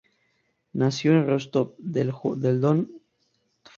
Nació en Rostov del Don, de una familia de origen judío y polaco.